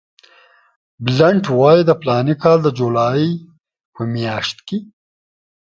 بلنټ وایي د فلاني کال د جولای په میاشت کې.